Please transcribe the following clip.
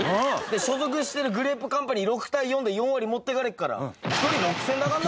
所属してるグレープカンパニーに６対４で４割持っていかれっから１人６０００円だかんな。